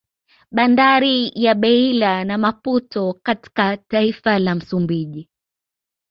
Bandari ya Beila na Maputo katka taifa la Msumbiji